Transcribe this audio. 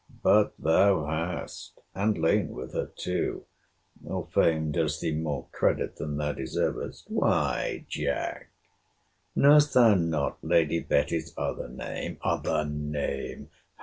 But thou hast—and lain with her too; or fame does thee more credit than thou deservest—Why, Jack, knowest thou not Lady Betty's other name? Other name!